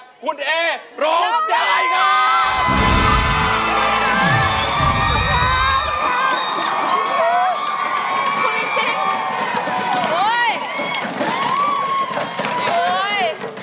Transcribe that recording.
หุ่นเอร้องใจงาน